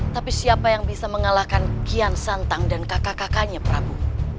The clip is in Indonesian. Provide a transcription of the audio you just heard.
tapi siapa yang bisa mengalahkan kian santang dan kakak kakaknya prabu